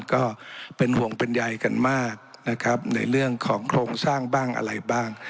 ก็เป็นห่วงเป็นใยกันมากนะครับในเรื่องของโครงสร้างบ้างอะไรบ้าง